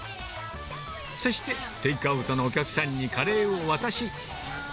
そしてテイクアウトのお客さんにカレーを渡し。